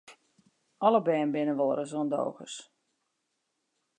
Alle bern binne wolris ûndogens.